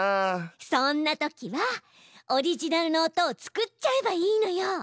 そんな時はオリジナルの音を作っちゃえばいいのよ！